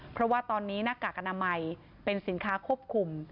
เพราะว่าตอนนี้หน้ากากอนามัยเป็นสินค้าควบคุม